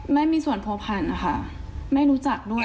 ไม่มีส่วนผัวพันธ์นะคะแม่รู้จักด้วย